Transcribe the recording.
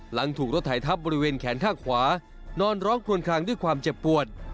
หลังถูกรถไถทับบริเวณแขนข้างขวานอนร้องคลวนคลางด้วยความเจ็บปวด